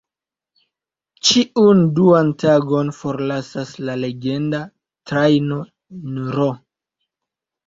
Ĉiun duan tagon forlasas la legenda "Trajno N-ro.